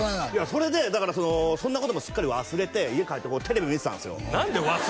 それでだからそんなこともすっかり忘れて家帰ってこうテレビ見てたんすよ何で忘れんだよ？